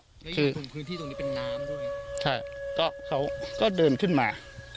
แล้วก็เค้าก็เดินขึ้นมา